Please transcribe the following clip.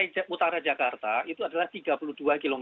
utara jakarta itu adalah tiga puluh dua km